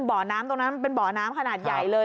บ่อน้ำตรงนั้นมันเป็นบ่อน้ำขนาดใหญ่เลย